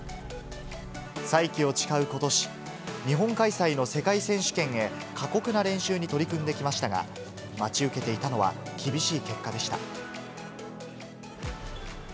再起を誓うことし、日本開催の世界選手権へ、過酷な練習に取り組んできましたが、待ち受けていたのは、厳しい結果でした。